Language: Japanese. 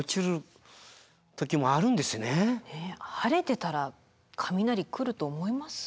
晴れてたら雷来ると思います？